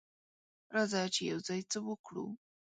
راځه چې یوځای څه وکړو.